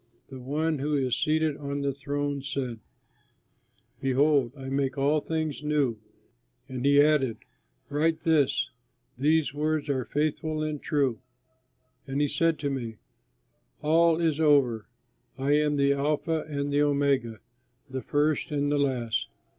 The One who is seated on the throne said: "Behold, I make all things new!" And he added, "Write this: 'These words are faithful and true.'" And he said to me, "All is over! I am the Alpha and the Omega, the First and the Last.